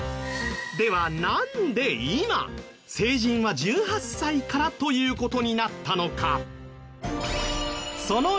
ではなんで今成人は１８歳からという事になったのか？